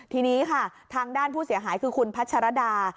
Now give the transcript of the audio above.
ทีนี้ค่ะทางด้านผู้เสียหายคือคุณพัชรดา